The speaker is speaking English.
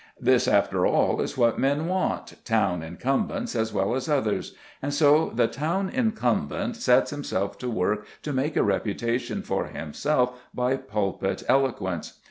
This after all is what men want, town incumbents as well as others; and so the town incumbent sets himself to work to make a reputation for himself by pulpit eloquence.